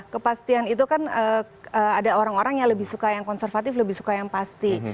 kepastian itu kan ada orang orang yang lebih suka yang konservatif lebih suka yang pasti